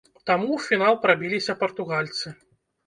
Таму ў фінал прабіліся партугальцы.